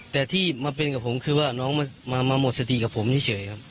แต่ที่มาเป็นกับผมคือว่าน้องมาหมดสติกับผมเฉยครับ